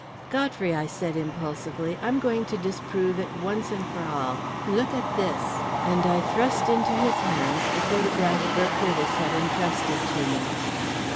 "Godfrey," I said impulsively, "I'm going to disprove it once and for all. Look at this," and I thrust into his hands the photograph Burr Curtiss had entrusted to me.